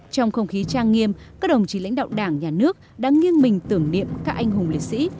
trong không khí trang nghiêm các đồng chí lãnh đạo đảng nhà nước đã nghiêng mình tưởng niệm các anh hùng liệt sĩ